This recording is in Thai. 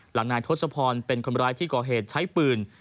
นายทศพรเป็นคนร้ายที่ก่อเหตุใช้ปืน